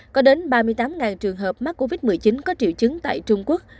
có đến ba mươi tám trường hợp mắc covid một mươi chín có triệu chứng tại trung quốc